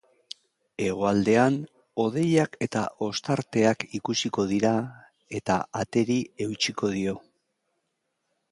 Hegoaldean, hodeiak eta ostarteak ikusiko dira, eta ateri eutsiko dio.